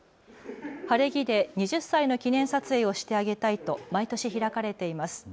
晴れ着で２０歳の記念撮影をしてあげたいと毎年、開かれています。